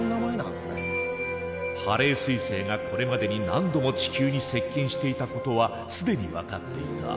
ハレー彗星がこれまでに何度も地球に接近していたことは既に分かっていた。